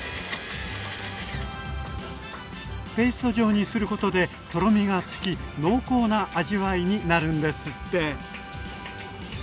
ペースト状にすることでとろみがつき濃厚な味わいになるんですって。